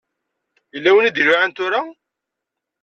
Yella win i d-iluɛan tura.